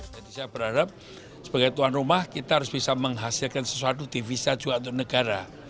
saya berharap sebagai tuan rumah kita harus bisa menghasilkan sesuatu di visa jua dan negara